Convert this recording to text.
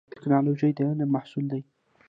ټکنالوژي د علم محصول دی